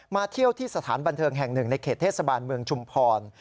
เที่ยวที่สถานบันเทิงแห่งหนึ่งในเขตเทศบาลเมืองชุมพร